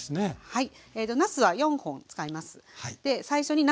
はい。